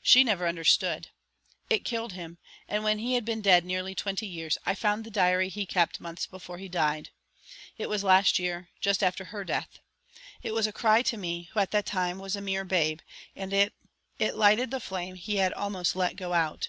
She never understood. It killed him, and when he had been dead nearly twenty years I found the diary he kept the months before he died. It was last year, just after her death. It was a cry to me, who at that time was a mere babe, and it it lighted the flame he had almost let go out.